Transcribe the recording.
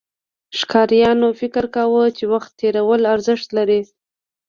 ښکاریانو فکر کاوه، چې وخت تېرول ارزښت لري.